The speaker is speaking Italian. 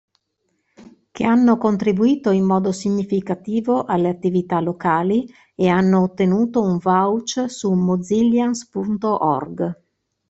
Che hanno contribuito in modo significativo alle attività Locali e hanno ottenuto un vouch su mozillians.org.